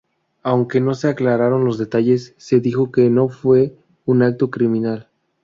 Aunque no se aclararon los detalles, se dijo que no fue un acto criminal.